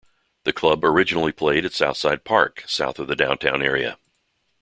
The club originally played at South Side Park, south of the downtown area.